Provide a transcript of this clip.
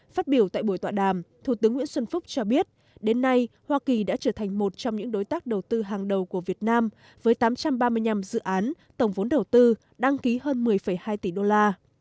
phát biểu tại buổi tọa đàm thủ tướng nguyễn xuân phúc cho biết đến nay hoa kỳ đã trở thành một trong những đối tác đầu tư hàng đầu của việt nam với tám trăm ba mươi năm dự án tổng vốn đầu tư đăng ký hơn một mươi hai tỷ đô la